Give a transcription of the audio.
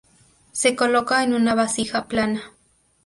Se coloca en una vasija plana.